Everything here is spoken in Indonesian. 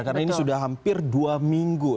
karena ini sudah hampir dua minggu